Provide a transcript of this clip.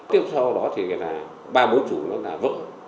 tiếp sau đó thì là ba bốn chủ nó đã vỡ